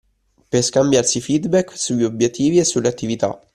Per scambiarsi feedback sugli obiettivi e sulle attività.